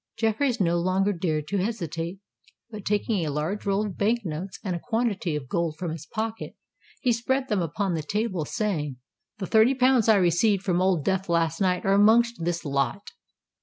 Jeffreys no longer dared to hesitate; but taking a large roll of Bank notes and a quantity of gold from his pocket, he spread them upon the table, saying, "The thirty pounds I received from Old Death last night are amongst this lot."